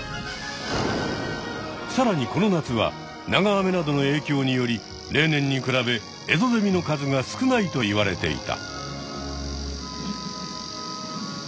さらにこの夏は長雨などの影響により例年に比べエゾゼミの数が少ないといわれていた。